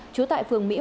chú tại phường mỹ hoàng